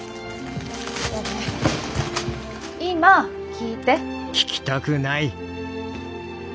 今聞いて。